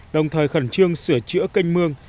đồng thời khẩn trương sửa chữa canh mương